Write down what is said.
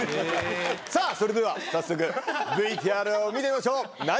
さぁそれでは早速ＶＴＲを見てみましょう！